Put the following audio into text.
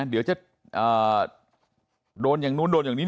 เดี๋ยวจะโดนอย่างนู้นโดนอย่างนี้